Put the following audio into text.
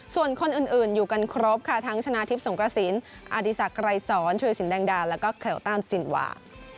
ส่วนคนอื่นอยู่กันครบค่ะทั้งชนะทิพย์สงกระศิลป์อาธิษฐรรย์ไกรศรชุยศิลป์แดงดาลแล้วก็แข่วต้านศิลป์หวา